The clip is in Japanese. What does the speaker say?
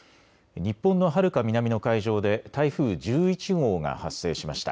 日本のはるか南の海上で台風１１号が発生しました。